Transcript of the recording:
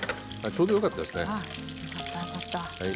ちょうどよかったですね。